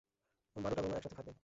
বারোটা বোমা একসাথে ফাটবে।